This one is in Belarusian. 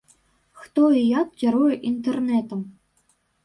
Хто і як кіруе інтэрнэтам?